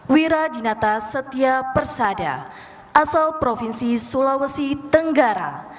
wira dinata setia persada asal provinsi sulawesi tenggara